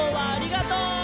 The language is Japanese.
ありがとう！